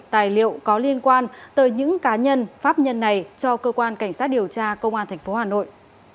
tài liệu có liên quan tới những cá nhân pháp nhân này cho cơ quan cảnh sát điều tra công an tp hà nội